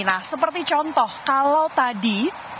nah seperti contoh kalau tadi